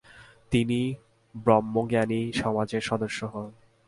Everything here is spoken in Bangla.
তিনি ব্রহ্মজ্ঞানী সমাজের সদস্য হন।